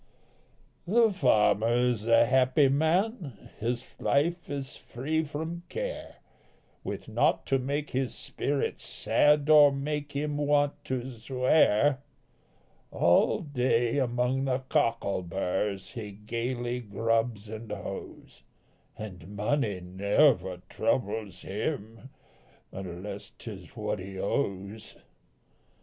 _ The farmer is a happy man, His life is free from care, With naught to make his spirit sad Or make him want to swear; All day among the cockle burrs He gaily grubs and hoes, And money never troubles him, Unless 'tis what he owes.